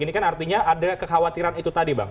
ini kan artinya ada kekhawatiran itu tadi bang